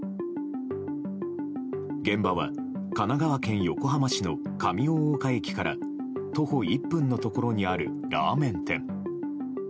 現場は神奈川県横浜市の上大岡駅から徒歩１分のところにあるラーメン店。